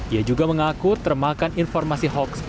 ia juga mengaku termakan informasi hoax